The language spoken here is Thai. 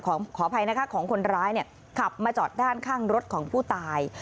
ขออภัยนะคะของคนร้ายเนี่ยขับมาจอดด้านข้างรถของผู้ตาย